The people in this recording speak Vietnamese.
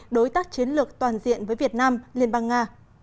đối tác chiến lược toàn diện với việt nam liên bang nga